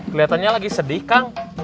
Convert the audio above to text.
keliatannya lagi sedih kang